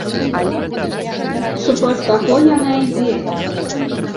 Супроць каго яна ідзе?